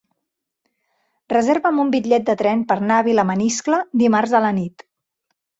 Reserva'm un bitllet de tren per anar a Vilamaniscle dimarts a la nit.